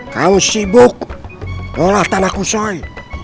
kamu sibuk olah tanahku soi